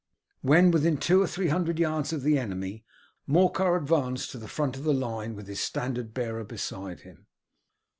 When within two or three hundred yards of the enemy, Morcar advanced to the front of the line with his standard bearer beside him.